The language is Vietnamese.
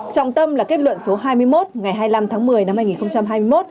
trọng tâm là kết luận số hai mươi một ngày hai mươi năm tháng một mươi năm hai nghìn hai mươi một